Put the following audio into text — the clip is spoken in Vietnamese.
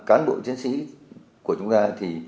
cán bộ chiến sĩ của chúng ta thì